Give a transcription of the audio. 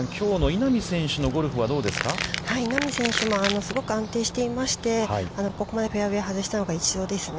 ◆稲見選手もすごく安定していましてここまでフェアウェイを外したのが一度ですね。